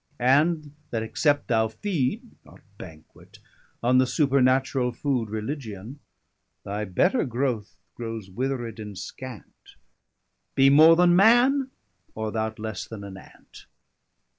And that except thou feed (not banquet) on The supernaturall food, Religion, Thy better Growth growes withered, and scant; Be more then man, or thou'rt lesse then an Ant.